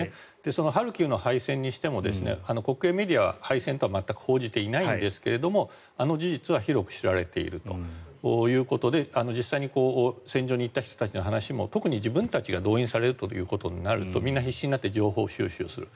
そのハルキウの敗戦にしても国営メディアは敗戦とは全く報じていないんですがあの事実は広く知られているということで実際に戦場に行った人たちの話特に自分たちも動員されるということになるとみんな必死になって情報収集する。